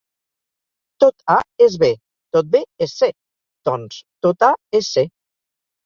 Tot A és B; tot B és C; doncs, tot A és C.